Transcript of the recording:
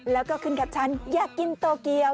แล้วก็ขึ้นแคปชั่นอยากกินโตเกียว